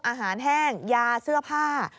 อาหารแห้งยาเสื้อผ้า